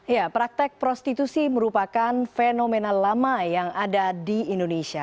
ya praktek prostitusi merupakan fenomena lama yang ada di indonesia